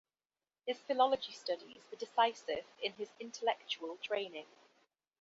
His philology studies were decisive in his intellectual training.